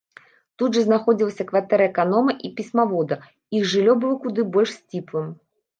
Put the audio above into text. Тут жа знаходзілася кватэра эканома і пісьмавода, іх жыллё было куды больш сціплым.